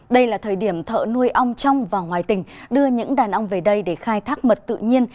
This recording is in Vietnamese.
đây là thời điểm thợ nuôi ong trong và ngoài tỉnh đưa những đàn ong về đây để khai thác mật tự nhiên